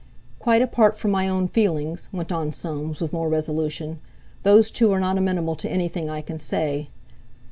"Quite apart from my own feelings," went on Soames with more resolution, "those two are not amenable to anything I can say.